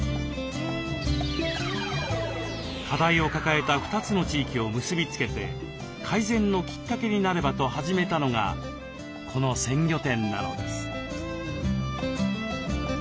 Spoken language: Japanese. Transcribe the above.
課題を抱えた２つの地域を結び付けて改善のきっかけになればと始めたのがこの鮮魚店なのです。